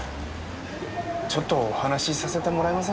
ちょっとお話しさせてもらえませんか？